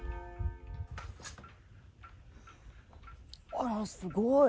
あらすごい！